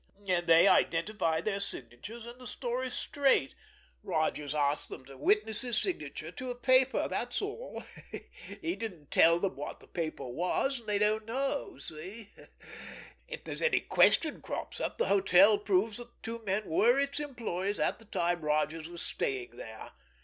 They identify their signatures, and their story's straight. Rodgers asked them to witness his signature to a paper, that's all. He didn't tell them what the paper was, and they didn't know—see? If there's any question crops up, the hotel proves that the two men were its employees at the time Rodgers was staying there."